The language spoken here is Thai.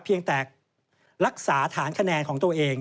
เพียงแต่รักษาฐานคะแนนของตัวเอง